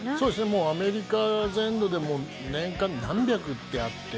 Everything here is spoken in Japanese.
もうアメリカ全土で年間何百ってあって。